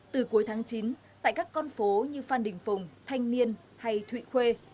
từ cuối tháng chín tại các con phố như phan đình phùng thanh niên hay thụy khuê